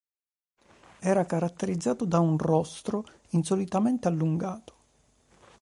Era caratterizzato da un rostro insolitamente allungato.